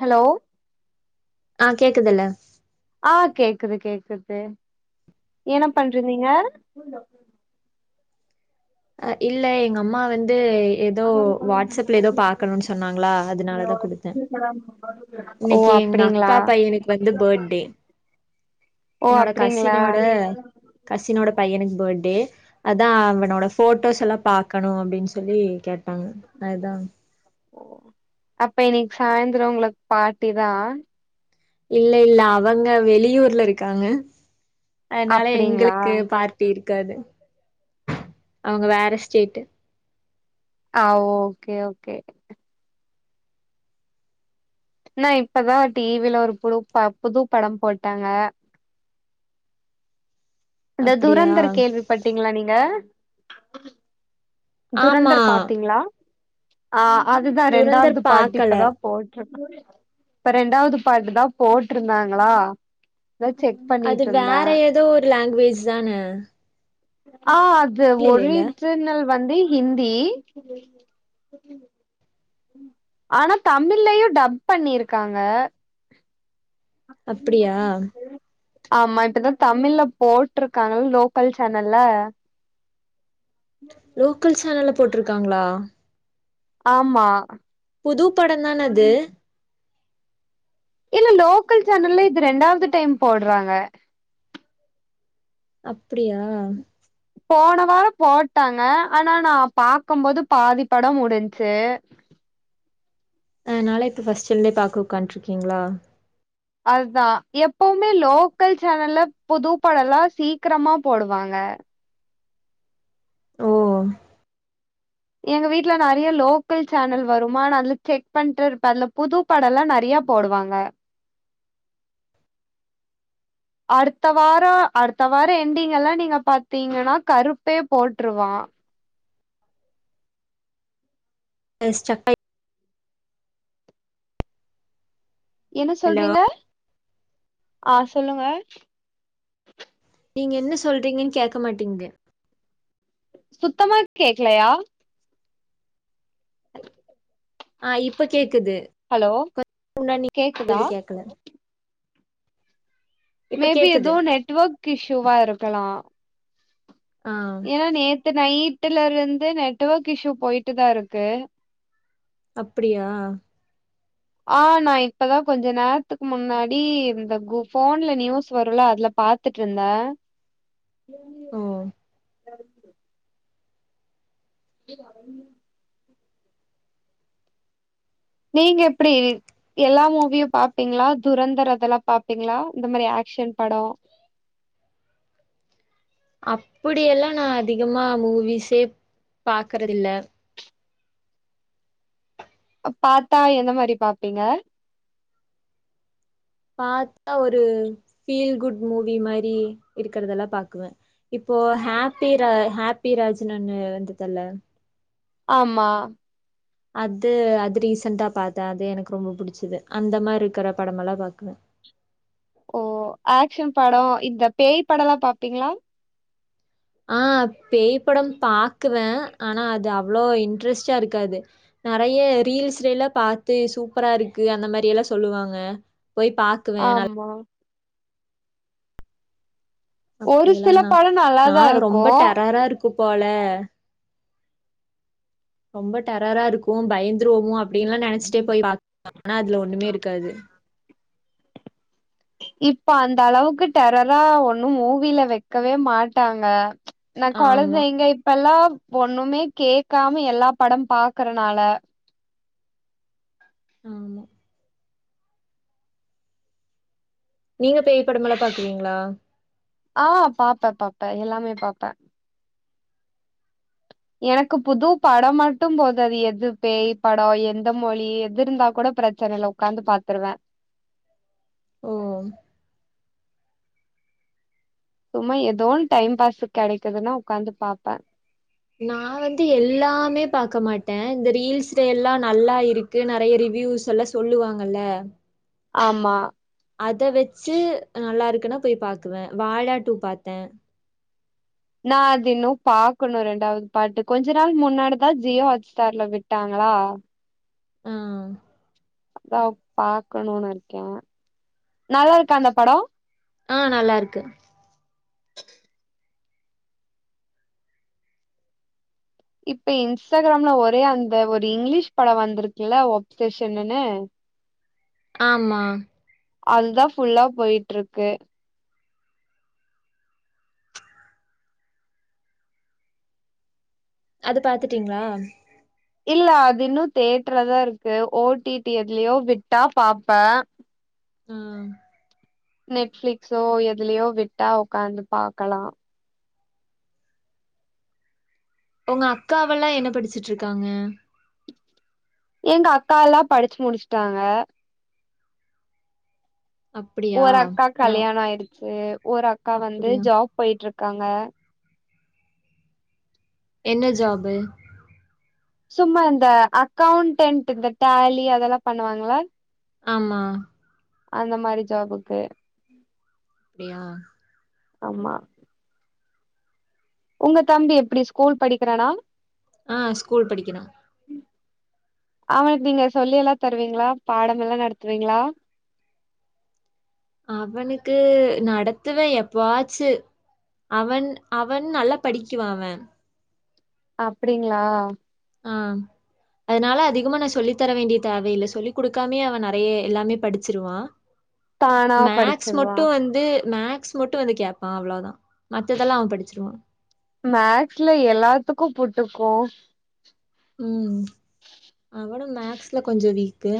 Hello ஆ கேக்குதுல்ல ஆ கேக்குது கேக்குது என்ன பண்ட்ருந்தீங்க அ இல்ல எங்க அம்மா வந்து ந்து எதோ வாட்ஸ்அப்ல எதோ பாக்கணுன்னு சொன்னாங்களா அதுனால தா குடுத்தே ஸ்ரீ ராமுக்கு [unintelligible] இன்னைக்கு எங்க அக்கா பையனுக்கு வந்து பர்ட்டே ஓ அப்டிங்களா ம். கசினோட பையனுக்கு பர்ட்டே அதா அவனோட போட்டோஸ் எல்லா பாக்கணு அப்டின் சொல்லி கேட்டாங்க அதா அப்ப இன்னைக்கு சாய்ந்தரோ உங்களுக்கு பார்ட்டிதான் இல்ல இல்ல அவங்க வெளியூர்ல இருக்காங்க அதுனால அப்டிங்களா எங்களுக்கு பார்ட் ட்டி இருக்காது அவுங்க வேற ஸ்டேட்டு ஆ ஓகே ஓகே நா இப்பதா டிவில ஒரு புது ப புது படம் போட்டாங்க இந்த அப்டியா துரந்தர் கேள்விப்பட்டீங்களா நீங்க ஆமா துரந்தர் பாத்தீங்களா ஆ அதுதா துரந்தர் ரெண்டாவது பார்ட் பாக்கல இப்பதா இப்ப ரெண்டாவது பார்ட்டு தா போட்ருந்தாங்களா அதா செக் அது பண்ணிட்ருந்தே வேற ஏதோ ஒரு லாங்குவேஜ் தான ஆ அது இல்ல இல்ல ஒரிஜுனல் வந்து ஹிந்தி ஆனா தமிழ்லயு டப் பண்ணிருக்காங்க அப்படியா ஆமா இப்பதா தமிழ்ல போட்ருக்காங்கள லோக்கல் சேனல்ல லோக்கல் சேனல்ல போட்ருக்காங்களா ஆமா புது படந்தான அது இல்ல லோக்கல் சேனல்ல இது ரெண்டாவது டைம் போட்றாங்க அப்டியா போன வாரோ போட்டாங்க ஆனா நா பாக்கும் போது பாதிப் படோ முடுஞ்ச்சு அதுனால இப்ப ஃபஸ்ட்ருந்தே பாக்க உட்கான்ருக்கீங்களா அதுதா எப்பவுமே லோக்கல் சேனல்ல புது படோ எல்லா சீக்கரமா போடுவாங்க ஓ எங்க வீட்ல நெறைய லோக்கல் சேனல் வருமா நா அதுல செக் பண்ட்டே இருப்பே அதுல புது படோல்லா நெறையா போடுவாங்க அடுத்த வாரோ அடுத்த வாரோ எண்டிங்கெல்லா நீங்க பாத்தீங்கன்னா கருப்பே போட்ருவா அ ஸ்டக்காய் என்ன ஹலோ சொல்றீங்க ஆ சொல்லுங்க நீங்க என்ன சொல்றீங்கன்னு கேக்க மாட்டிங்குது சுத்தமா கேக்கலையா ஆ இப்ப கேக்குது ஹலோ கொஞ்ச நேரோ முன்னாடி நீங்க கேக்குதா பேஸ்னது கேக்கல இப்ப மேபி கேக்குது எதுவு நெட்வொர்க் இஷுவா இருக்கலா ஆ ஏன்னா நேத்து நைட்டுல இருந்தே நெட்வொர்க் இஷு பொயிட்டு தா இருக்கு அப்டியா ஆ நா இப்பதா கொஞ்ச நேரத்துக்கு முன்னாடி இந்த கு போன்ல நியூஸ் வருல்ல அதுல பாத் த்துட்ருந்த ஓ நீங்க எப்டி எல்லா மூவியு பாப்பீங்களா துரந்தர் அதெல்லா பாப்பீங்களா இந்த மாரி அக்க்ஷன் படோ அப்படியெல்லா நா அதிகமா மூவிஸ்ஸே பாக்கறதுல்ல பாத்தா எந்த மாரி பாப்பீங்க பாத்தா ஒரு ஃபீல் குட் மூவி மாரி இருக்குறதெல்லா பாக்குவ இப்போ ஹப்பி ரா ஹப்பி ராஜ்ன்னு ஒன்னு வந்துதல்ல ஆமா அது அது ரீசன்டா பாத்த அது எனக்கு ரொம்ப புடிச்சது அந்த மாரி இருக்கற படமெல்லா பாக்குவ ஓ அக்ஷன் படோ இந்த பேய் படோல்லா பாப்பீங்ளா ஆ பேய்படம் பாக்குவ ஆனா அது அவ்வளோ இன்ட்ரெஸ்டா இருக்காது நெறைய ரீல்ஸ்லெல்லா பாத்து சூப்பரா இருக்கு அந்த மாரி எல்லா சொல்லுவாங்க போய் பாக் ஆமா அப்டி ஒரு எல்லா சில நா படோ நா நல்லாதா இருக்கு ரொம்ப டெரரா இருக் கு போல ரொம்ப டெரரா இருக்கு பயந் துருவோமோ அப்டின்னுல்லா நெனச்சுட்டே போய் [inaudible] அதுல ஒண்ணமே இருக்காது இப்ப அந்த அளவுக்கு டெரரா ஒண்ணு மூவில வைக்கவே மாட்டாங்க நா ஆமா கொழந்தைங்க இப் இப்பெல்லாம் ஒண்ணுமே கேக்காம எல்லா படம் பாக்கறனால ஆமா நீங்க பேய் படமெல்லா பாக்குவீங்ளா ஆ பாப்ப பாப்ப எல்லாமே பாப்ப எனக்கு புது படோ மட்டு போது அது எது பேய் படோ எந்த மொழி எது இருந்தா கூட பிரச்சனல்ல உக்காந்து பாத்துருவ ஓ சும்மா ஏதோன்னு டைம் பாஸ்க் கெடைக்குதுன்னா உக்காந்து பாப்ப நா வந்து எல்லாமே பாக்க மாட்ட இந்த ரீல்ஸ்ல எல்லா நல்லா இருக் கு நெறைய ரிவ்யூஸ் எல்லா சொல்லுவாங்கல்ல ஆமா அத வச்சு நல்லா இருக்குன்னா போய் பாக்குவ வாழாடூ பாத்த நா அது இன்னு பாக்கணு ரெண்டாவது பாட்டு கொஞ்ச நாள் முன்னாடிதா ஜியோ ஹாட் ஸ்டார்ல விட்டாங்களா ஆம் அதா பாக்கணுன் இருக்கே நல்லா இருக்கா அந்த படோ ஆ நல்லாருக்கு இப்ப இன்ஸ்டாக்ரம்ல ஒரே அந்த ஒரு இங்லீஷ் படோ வந்திருக்குல்ல ஒப்செஷனுன்னு ஆமா அதுதா ஃபுல்லா போய்ட்ருக்கு அது பாத்துட்டீங்ளா இல்ல அது இன்னு தேட்டரா தா இருக்கு ஓட்டிடி எதுலயோ விட்டா பாப்ப ம் நெட்பிளிக்ஸோ எதுலயோ விட்டா உக்காந்து பாக்கலா உங்க அக்காவெல்லா என்ன படிச்சட்ருக்காங்க எங்க அக்கால்லா படிச்சு முடிச்சுட்டாங்க அப்படியா? ஒரு அக்கா ந கல்யாணோ ஆயிடுச்சு ஒரு அக்கா வந்து அப்படியா? ஜாப் போயிட்ருக்காங்க என்ன ஜாபு சும்மா இந்த அக்கவுண்டன்ட் இந்த டேலி அதெல்லா பண்ணுவாங்களா ஆமா அந்த மாரி ஜாபுக்கு ப்டியா ஆமா உங்க தம்பி எப்புடி ஸ்கூல் படிக்கிறானா ஆ ஸ்கூல் படிக்கிறா ம் அவ எப்டி நீங்க சொல்லி எல்லா தருவீங்களா பாடங்கள்ல்லா நடத்துவீங்களா அவனுக்கு நடத்துவே எப்போ ஆச்சு அவன் அவன் நல்லா படிக்கிவா அவன் அப்புடிங்களா ஆ அதனால அதிகமா நான் சொல்லி தர வேண்டிய தேவையில்ல சொல்லி் குடுக்காமே அவன் நறைய எல்லாமே படிச்சிருவான் தானா மேக்ஸ் படிச்சிருவா மட்டும் வந் ந்து மேக்ஸ் மட்டும் வந்து கேப்பான் அவ்ளோவுதா மத்ததெல்லா அவன் படிச்சிருவான் மேக்ஸ்ல எல்லாத்துக்கும் புட்டுக்கும் ம் அவனு மேக்ஸ்ல கொஞ்சோ வீக்கு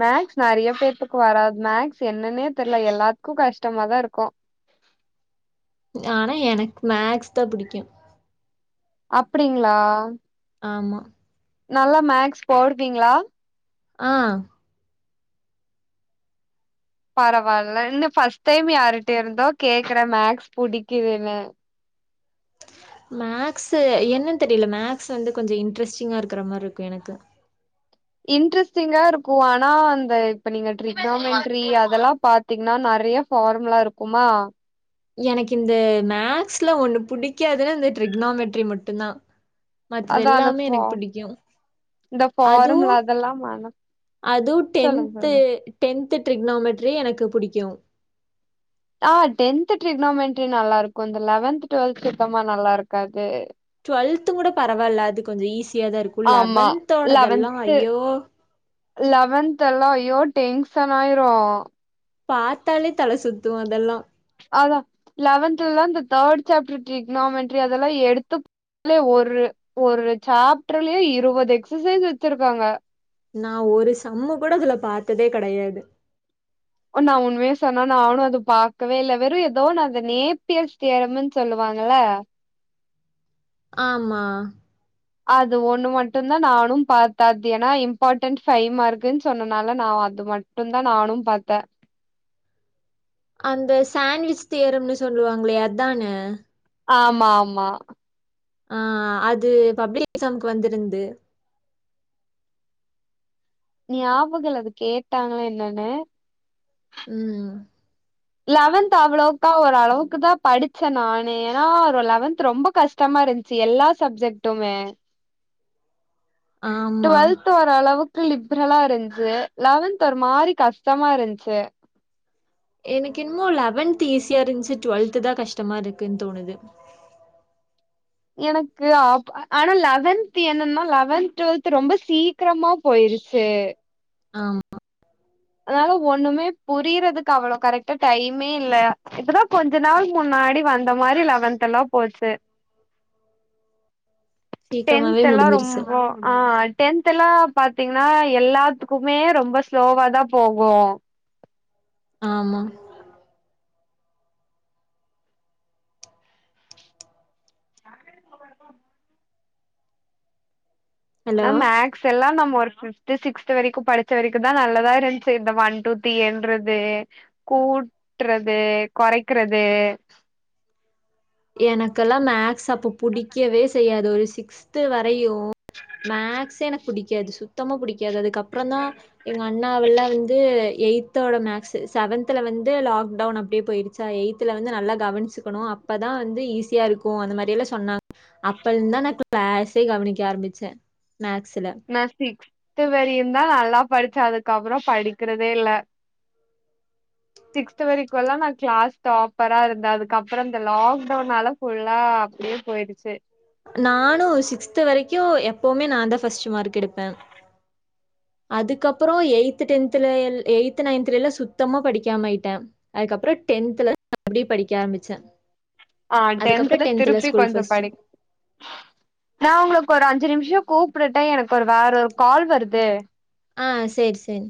மேக்ஸ் நறைய பேத்துக்கு வராது மேக்ஸ் என்னன்னே தெர்ல எல்லாத்துக்கும் கஷ்டமாதான் இருக்கும் ஆனா எனக்கு மேக்ஸ் தான் புடிக்கும் அப்புடிங்களா ஆமா நல்லா மேக்ஸ் போடுவீங்களா ஆ பரவால்ல இன்ன ஃபர்ஸ்ட் டைம் யாருட்ட இருந்தோ கேக்குற மேக்ஸ் புடிக்கிதுன்னு மேக்ஸு என்னன்னு தெரில மேக்ஸ் வந்து கொஞ்சம் இன்ட்ரெஸ்ட்டிங்கா இருக்கற மாரிருக்கும் எனக்கு இன்ட்ரெஸ்டிங்கா இருக்கும் ஆனா அந்த இப்ப நீங்க ட்ரிக்னாமென்ட்ரி அதெல்லா பாத் த்தீங்கன்னா நறைய ஃபார்முலா இருக்குமா எனக்கு இந்த மேக்ஸ்ல ஒண்ணு புடிக்காதுன்னு இந்த ட்ரிக்னாமெட்ரி மட்டுந்தா அதான் அந்த ஃபா இந்த அதுவும் ஃபார்முலா அதெல்லாம் மனப் அதுவும் டென்த்து டென்த்து ட்ரிக்னாமெட்ரி எனக்கு புடிக்கும் ஆ டென்த்து ட்ரிக்னாமென்ட்ரி நல்லா இருக்கும் இந்த லெவன்த்து டுவெல்த்து சுத்தமா நல்லாருக்காது இருக்காது டுவெல்த்தும் கூட பரவால்ல அது கொஞ்சம் ஈஸியா தான் இருக்கும் ஆமா லெவன்தோடதெல்லா ஐயோ லெவன்த்தெல்லா ஐயோ டெங்ஷன் ஆயிரும் பாத்தாலே தல சுத்தும் அதெல்லா அதான் லெவன்த்துலல்லா இந்த தேர்ட் சேப்ட்ரு ட்ரிக்னாமென்ட்ரி அதெல்லா எடுத்துப் துலே ஒரு ஒரு சாப்ட்ர்லயே இருவது எக்ஸசைஸ் வெச்சிருக்காங்க நா ஒரு சம்மு கூட அதுல பாத்ததே கடையாது ஒ நான் உண்மையே சொன்னா நானும் அது பாக்கவே இல்ல வெறும் ஏதோ நா அத நேப்பியர் ஸ்டேடியம்முன் சொல்லுவாங்கள்ல ஆமா அது ஒண்ணு மட்டும் தான் நானும் பத்தாது ஏன்னா இம்பார்ட்டன்ட் ஃபைவ் மார்க்குன்னு சொன்னனால நான் வ அது மட் ட்டு தா நானு பாத்தே அந்த சான்விஞ் தியேரம்னு சொல்லுவாங்கலே அதானே ஆமா ஆமா ஆ அது பப்ளிக்கு எக்சாம்க்கு வந்திருந்து நியாபகம் இல்ல அது கேட்டாங்களா என்னன்னு ம் லெவன்த் அவ்ளவுக்கா ஒரு ஓரளவுக்கு தா படிச்சே நானு ஏனா ஒரு லெவன்த் ரொம்ப கஷ் டமா இருந்துச்சு எல்லா சப்ஜெக்ட்டுமே ஆமா. டுவெல்த் ஒரு அளவுக்கு லிப்ரலா இருந்துச்சு லெவன்த் ஒரு மாரி கஷ்டமா இருந்துச்சு எனக்கு இன்னமோ லெவன்த் ஈஸியா இருந்துச்சு டுவெல்து தா கஷ்டமா இருக்குன்னு தோணுது எனக்கு ஆப் ஆனா லெவன்த் என்னன்னா லெவன்த் டுவெல்த் ரொம்ப சீக்கிரமா போயிருச்சு ஆமா அதனால ஒண்ணுமே புரியறதுக்கு அவ்ளோ கரெக்டா டைமே இல்ல இப்பதா கொஞ் அஞ்ச நாள் முன்னாடி வந்த மாரி லெவன்த் எல்லா போச்சு சீக்கிரமாவே டென்த் எல்லா முடிஞ்சிருச்சு. ரொம்போ ஆ டென்த எல்லா பாத்தீங்கன்னா எல்லாத்துக்குமே ரொம்ப ஸ்லோவாதா போகு ஆமா ஆனா ஹலோ! மேக் ஸ் எல்லா நம்ம ஒரு பிஃப்து சிக்ஸ்த் வரைக்கு படிச்ச வரைக்குதா நல்லதா இருந்துச்சு இந்த ஒன் டூ த்ரீ என்றது கூட்டுறது கொறைக்கிறது எனக்கெல்லா மேக்ஸ் அப்ப புடிக்கவே செய்யாது ஒரு சிக்ஸ்த்து வரையு மேக்ஸ்சே எனக்கு புடிக்காது சுத்தமா புடிக்காது அதுக்கப் பறோ தா எங்க அண்ணாவெல்லா வந்து எயித் தோட மேக்ஸ் செவன்த்தல வந்து லாக் டவுன் அப்டியே போயிடுச்சா எயித்தல வந்து நல்லா கவனிச்சுக்கணு அப்பதா வந்து ஈஸியா இருக்கு அந்த மாதிரில்லா சொன்னாங் அப்ப இருந்துதா நா கிளாஸே கவனிக்க ஆரம்பிச்சே மேக்ஸ்ல நா சிக்ஸ்து வரையுந்தா நல்லா படிச்ச அதுக்கப்றோ படிக்கிறதே இல்ல சிக்ஸ்த்து வரைக்குல்லா நா கிளாஸ் டாப்பரா இருந்தே அதுக்கப்றோ இந்த லாக்டவுனால ஃபுல்லா அப்டியே போயிடுச்சு நானு சிக்ஸ்த் வரைக்கு எப்பவுமே நா தா ஃபர்ஸ்ட் மார்க் எடுப்பே அதுக்கப்பறோ எய்த்து டென்துல எல் எய்த்து நைன்த்துலல்லா சுத்தமா படிக்காம ஆயிட்டே அதுக்கப்பறோ டென்த்துல தா மருப்டியு படிக்க ஆரம்பிச்சே ஆ டென்த்ல திருப்பி கொஞ்சோ ஃபர்ஸ்ட் படிக் நா உங்களுக்கு ஒரு அஞ்சு நிமிஷோ கூப்டட்டா எனக்கு ஒரு வேற ஒரு கால் வருது ஆ சேரி சேரி